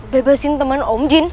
bebasin teman om jin